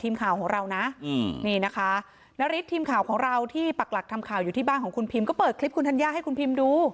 ทีมข่าวของเรานะนี่นะคะนาริสทีมข่าวของเราที่ปักหลักทำข่าวอยู่ที่บ้านของคุณพิมก็เปิดคลิปคุณธัญญาให้คุณพิมดู